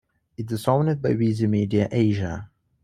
It is owned by Visi Media Asia.